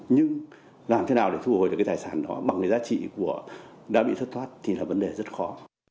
nhưng làm thế nào để thu hồi được cái tài sản đó bằng cái giá trị của đã bị thất thoát thì là vấn đề rất khó